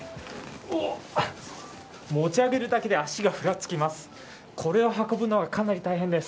持ち上げるだけで足がふらつきます。